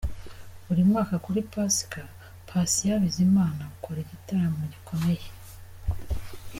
Buri mwaka kuri Pasika Patient Bizimana akora igitaramo gikomeye.